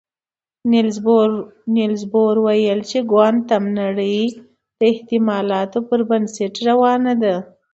نيلز بور ویل چې کوانتم نړۍ د احتمالاتو پر بنسټ روانه ده.